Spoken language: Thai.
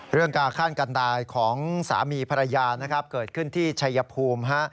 เรื่องกาข้านกันตายของสามีภรรยานะครับเกิดขึ้นที่ชัยภูมิฮะ